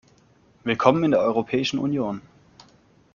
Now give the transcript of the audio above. Willkommen in der Europäischen Union!